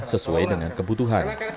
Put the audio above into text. sesuai dengan kebutuhan